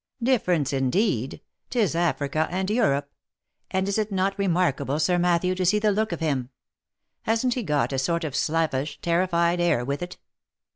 Difference, indeed ! 'Tis Africa and Europe. And is it not re markable Sir Matthew to see the look of him ? Hasn't he got a sort of slavish, terrified air with it?